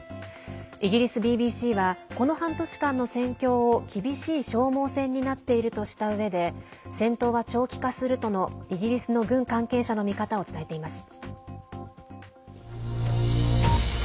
イギリスＢＢＣはこの半年間の戦況を厳しい消耗戦になっているとしたうえで戦闘は長期化するとのイギリスの軍関係者の見方を伝えています。